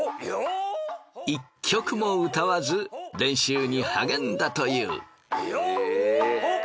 １曲も歌わず練習に励んだという。